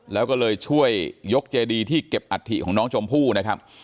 แล้วก็เลยช่วยยกเจดีที่เก็บอัฐิของน้องชมพู่นะครับ